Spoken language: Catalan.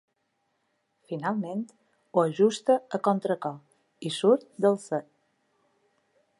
Finalment, ho ajusta a contracor i surt del set.